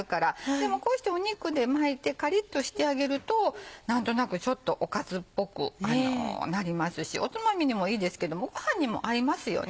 でもこうして肉で巻いてカリっとしてあげると何となくちょっとおかずっぽくなりますしおつまみにもいいですけどもご飯にも合いますよね。